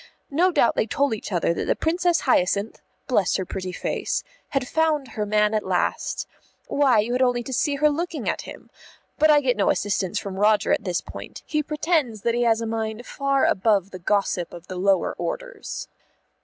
no doubt they told each other that the Princess Hyacinth (bless her pretty face!) had found her man at last. Why, you only had to see her looking at him. But I get no assistance from Roger at this point; he pretends that he has a mind far above the gossip of the lower orders.